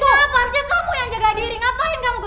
kenapa harusnya kamu yang jaga diri ngapain kamu